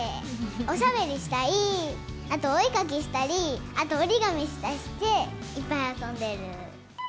おしゃべりしたり、あとお絵描きしたり、あと折り紙したりして、いっぱい遊んでいる。